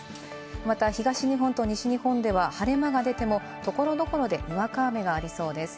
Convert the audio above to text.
また東日本と西日本では晴れ間が出ても、所々でにわか雨がありそうです。